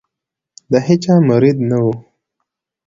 د هیچا مرید نه وو.